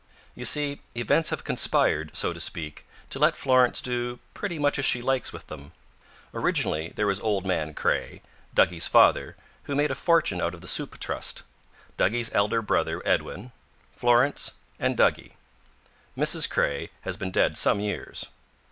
You see, events have conspired, so to speak, to let Florence do pretty much as she likes with them. Originally there was old man Craye, Duggie's father, who made a fortune out of the Soup Trust; Duggie's elder brother Edwin; Florence; and Duggie. Mrs. Craye has been dead some years.